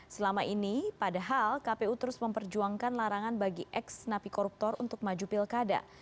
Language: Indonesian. selama ini padahal kpu terus memperjuangkan larangan bagi ex napi koruptor untuk maju pilkada